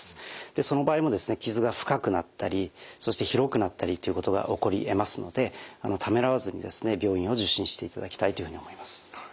その場合もですね傷が深くなったりそして広くなったりということが起こりえますのでためらわずにですね病院を受診していただきたいというふうに思います。